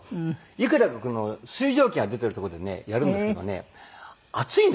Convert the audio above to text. いくらかこの水蒸気が出てるとこでねやるんですけどね暑いんですよ。